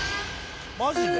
マジで？